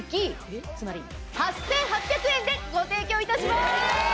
つまり８８００円でご提供いたします！